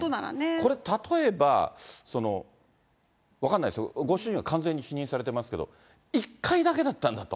これ、例えば、分かんないですよ、ご主人は完全に否認されてますけど、一回だけだったんだと。